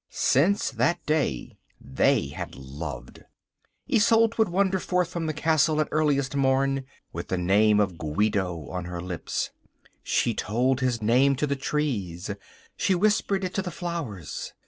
Since that day they had loved. Isolde would wander forth from the castle at earliest morn, with the name of Guido on her lips. She told his name to the trees. She whispered it to the flowers.